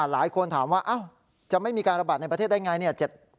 หลายคนถามว่าจะไม่มีการระบาดในประเทศได้ไงเนี่ย